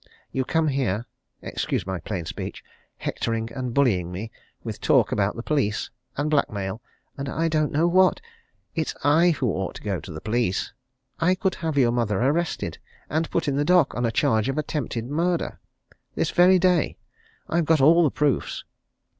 You come here excuse my plain speech hectoring and bullying me with talk about the police, and blackmail, and I don't know what! It's I who ought to go to the police! I could have your mother arrested, and put in the dock, on a charge of attempted murder, this very day! I've got all the proofs."